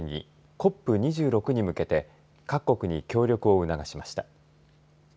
ＣＯＰ２６に向けて各国に協力を促しました。